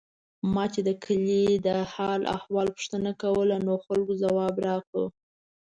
ما چې د کلي د حال او احوال پوښتنه کوله، نو خلکو ځواب راکړو.